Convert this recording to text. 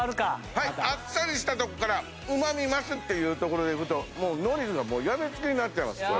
はいあっさりしたとこからうまみ増すっていうところでいくともうのりは病みつきになっちゃいますこれ。